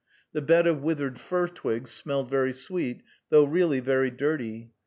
The bed of withered fir twigs smelled very sweet, though really very dirty.